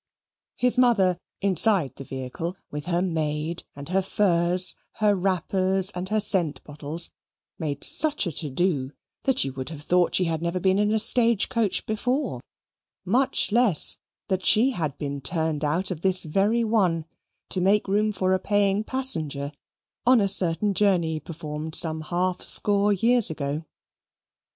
His mother, inside the vehicle, with her maid and her furs, her wrappers, and her scent bottles, made such a to do that you would have thought she never had been in a stage coach before much less, that she had been turned out of this very one to make room for a paying passenger on a certain journey performed some half score years ago.